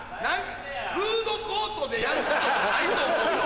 フードコートでやることじゃないと思うよ。